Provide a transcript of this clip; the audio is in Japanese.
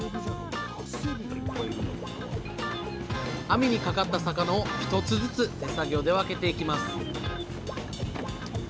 網にかかった魚を一つずつ手作業で分けていきます